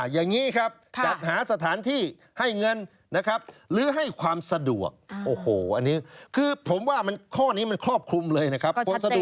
อย่างนี้ครับ